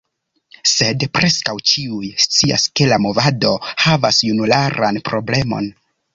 Sed preskaŭ ĉiuj scias ke la movado havas junularan problemon.